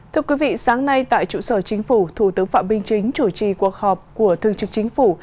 thưa quý vị sáng nay tại trụ sở chính phủ thủ tướng phạm binh chính chủ trì cuộc họp của thư chức chính phủ